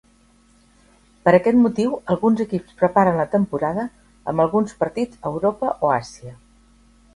Per aquest motiu, alguns equips preparen la temporada amb alguns partits a Europa o Àsia.